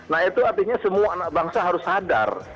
nah itu artinya semua anak bangsa harus sadar